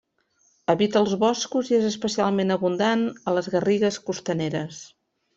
Evita els boscos i és especialment abundant a les garrigues costaneres.